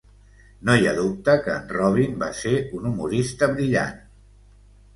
No hi ha dubte que en Robin va ser un humorista brillant.